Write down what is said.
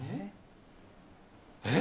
えっ？